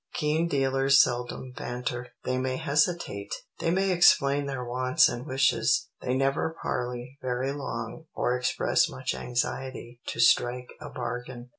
Keen dealers seldom banter; they may hesitate, they may explain their wants and wishes, they never parley very long or express much anxiety to strike a bargain.